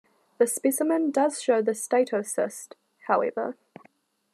The specimen does show the statocyst, however.